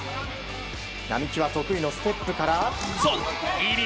並木は得意のステップから。